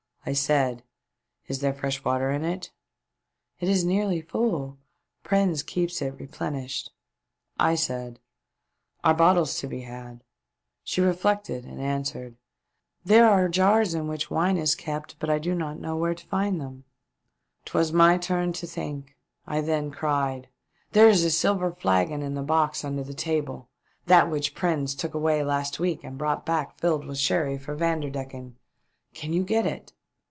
I said : "Is there fresh water in it ?"" It is nearly full. Prins keeps it replen ished." I said : "Are bottles to be had i^" She reflected and answered: "There are jars in which wine is kept, but I do not know where to find them." WE BRING Ur IN A BAY. 473 'Twas my turn to think. I then cried . "There is a silver flagon in the box under the table ; that which Prins took away last week and brought back filled with sherry for Vanderdecken. Can you get it?"